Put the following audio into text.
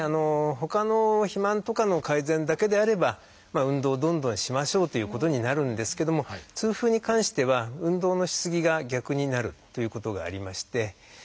ほかの肥満とかの改善だけであれば運動をどんどんしましょうということになるんですけども痛風に関しては運動のしすぎが逆になるということがありまして。